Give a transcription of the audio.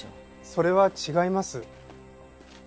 それは違います。